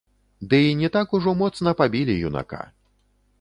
Ды і не так ужо моцна пабілі юнака.